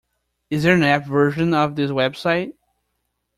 Is there an app version of this website?